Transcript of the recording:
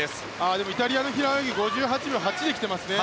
でも、イタリアの平泳ぎ５８秒８で来ましたね。